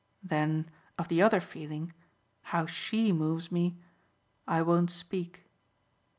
Then of the other feeling how SHE moves me I won't speak."